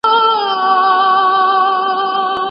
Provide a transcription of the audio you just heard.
کتابونه باید په دقت سره ولوستل سي.